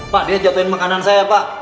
pak dia jatuhin makanan saya pak